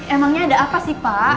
emangnya ada apa sih pak